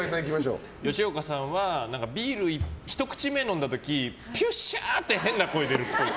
吉岡さんはビールひと口目飲んだ時ピュッシャ！って変な声出るっぽい。